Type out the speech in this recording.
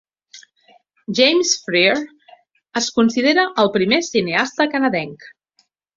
James Freer es considera el primer cineasta canadenc.